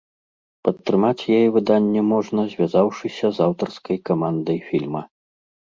Падтрымаць яе выданне можна, звязаўшыся з аўтарскай камандай фільма.